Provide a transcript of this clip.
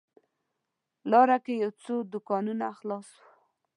لاره کې یو څو دوکانونه خلاص و.